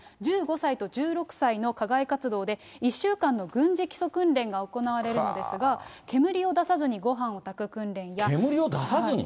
１５歳と１６歳の課外活動で、１週間の軍事基礎訓練が行われるのですが、煙を出さずにごはんを炊煙を出さずに？